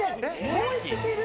もう１匹いる？